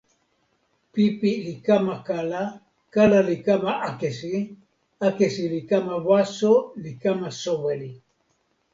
pipi li kama kala. kala li kama akesi. akesi li kama waso li kama soweli.